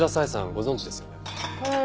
ご存じですよね？